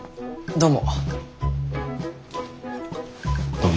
どうも。